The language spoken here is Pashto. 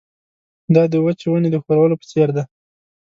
دا د وچې ونې د ښورولو په څېر ده.